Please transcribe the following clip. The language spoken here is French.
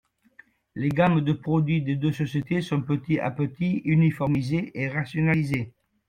Les gammes de produits des deux sociétés sont petit à petit uniformisées et rationalisées.